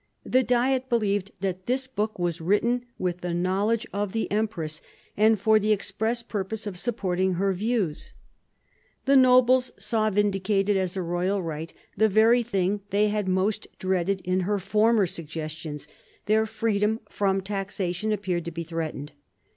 The Diet believed that this book was written with the knowledge of the empress and for the express purpose of supporting her views. The 200 MARIA THERESA chap, ix nobles saw vindicated as a royal right the very thing they had most dreaded in her former suggestions ; their freedom from taxation appeared to be threatened.